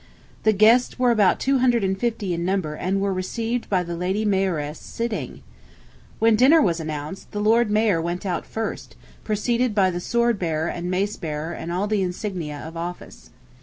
The guests were about 250 in number and were received by the Lady Mayoress sitting. When dinner was announced, the Lord Mayor went out first, preceded by the sword bearer and mace bearer and all the insignia of office.